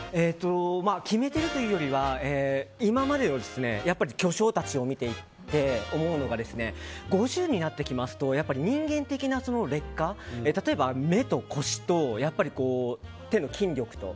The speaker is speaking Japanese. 決めているというよりは今までの巨匠たちを見てきて思うのが５０になってきますと人間的な劣化例えば、目と腰と手の筋力と。